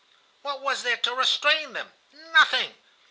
What was there to restrain them? Nothing.